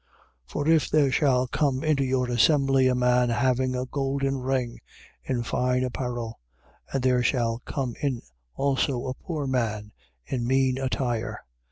For if there shall come into your assembly a man having a golden ring, in fine apparel; and there shall come in also a poor man in mean attire: 2:3.